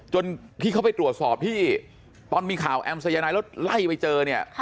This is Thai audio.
ที่เขาไปตรวจสอบที่ตอนมีข่าวแอมสายนายแล้วไล่ไปเจอเนี่ย